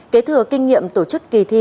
kế thừa kinh nghiệm tổ chức kỳ thi